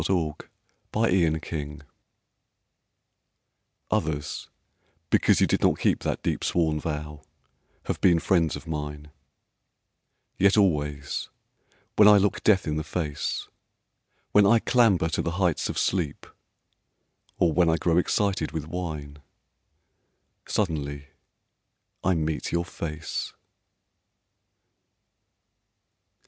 A DEEP SWORN VOW Others because you did not keep That deep sworn vow have been friends of mine; Yet always when I look death in the face, When I clamber to the heights of sleep, Or when I grow excited with wine, Suddenly I meet your face.